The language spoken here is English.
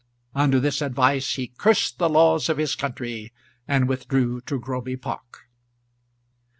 Under this advice he cursed the laws of his country, and withdrew to Groby Park.